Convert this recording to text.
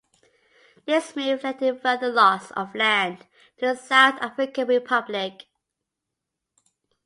This move led to further loss of land to the South African Republic.